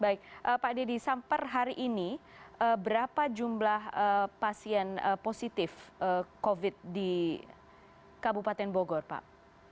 baik pak dedy sampai hari ini berapa jumlah pasien positif covid sembilan belas di kabupaten bogor pak